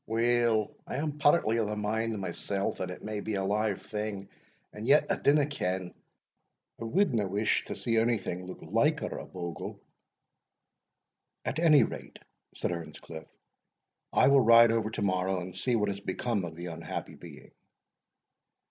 "Weel, I am partly of the mind mysell that it may be a live thing and yet I dinna ken, I wadna wish to see ony thing look liker a bogle." "At any rate," said Earnscliff, "I will ride over to morrow and see what has become of the unhappy being."